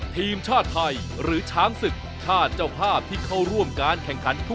ทีมชาติไทยหรือช้างศึกชาติเจ้าภาพที่เข้าร่วมการแข่งขัน